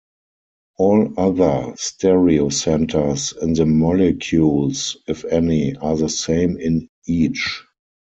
All other stereocenters in the molecules, if any, are the same in each.